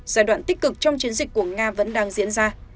giai đoạn tích cực trong chiến dịch của nga vẫn đang diễn ra